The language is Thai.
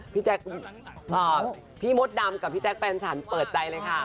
พี่แจ๊คพี่มดดำกับพี่แจ๊คแฟนฉันเปิดใจเลยค่ะ